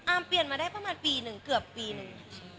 เปลี่ยนมาได้ประมาณปีหนึ่งเกือบปีหนึ่ง